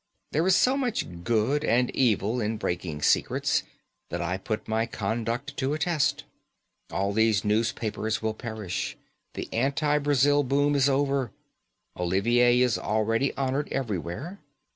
There is so much good and evil in breaking secrets, that I put my conduct to a test. All these newspapers will perish; the anti Brazil boom is already over; Olivier is already honoured everywhere.